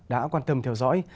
đã quan tâm theo dõi